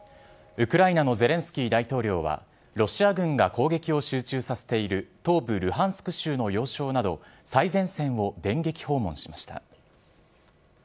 ウクライナのゼレンスキー大統領は、ロシア軍が攻撃を集中させている東部ルハンスク州の要衝など、最前線を電撃訪問しました。